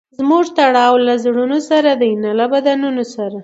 زموږ تړاو له زړونو سره دئ؛ نه له بدنونو سره.